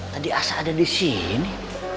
tadi asa ada disini